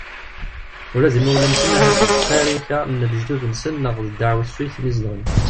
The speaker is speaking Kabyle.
Ula d imawlan-nsen ahat d ttarika n lejdud-nsen neɣ d ddeɛwessu iten-izedɣen.